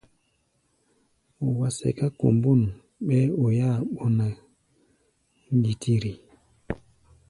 Wa sɛká kombôn, ɓɛɛ́ oi-áa ɓɔná ŋgitiri.